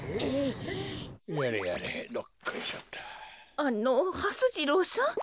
あのはす次郎さん？